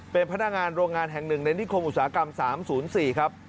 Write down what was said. เป็นพนักงานโรงงานแห่งหนึ่งในนิคมอุตสาหกรรม๓๐๔ครับ